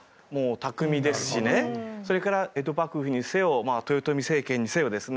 それから江戸幕府にせよ豊臣政権にせよですね